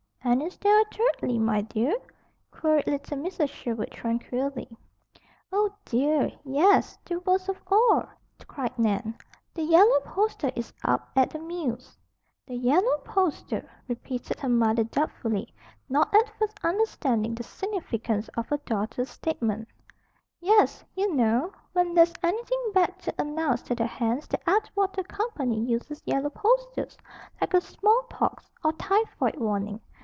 "And is there a 'thirdly,' my dear?" queried little Mrs. Sherwood tranquilly. "Oh, dear, yes! The worst of all!" cried Nan. "The yellow poster is up at the mills." "The yellow poster?" repeated her mother doubtfully, not at first understanding the significance of her daughter's statement. "Yes. You know. When there's anything bad to announce to the hands the Atwater Company uses yellow posters, like a small pox, or typhoid warning.